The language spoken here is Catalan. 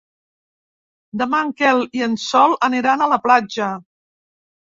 Demà en Quel i en Sol aniran a la platja.